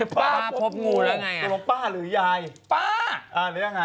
ป้าพบงูตรงป้าหรือยายป้าหรือยังไง